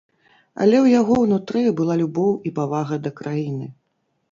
Але ў яго ўнутры была любоў і павага да краіны.